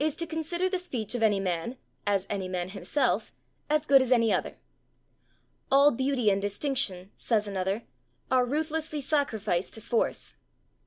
to consider the speech of any man, as any man himself, as good as any other." "All beauty and distinction," says another, "are ruthlessly sacrificed to force."